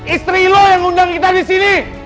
istri lo yang undang kita di sini